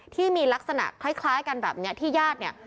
ที่มีลักษณะคล้ายกันแบบนี้ที่ญาติเนี่ย